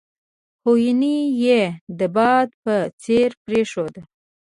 هیوني یې د باد په څېر پرېښود.